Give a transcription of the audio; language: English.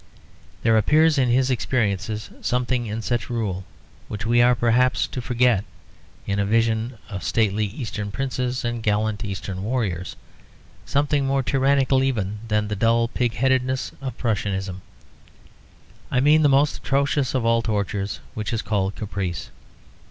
There appears in his experiences something in such rule which we are perhaps apt to forget in a vision of stately Eastern princes and gallant Eastern warriors, something more tyrannical even than the dull pigheadedness of Prussianism. I mean the most atrocious of all tortures, which is called caprice.